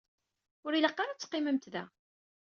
Ur ilaq ara ad teqqimemt da.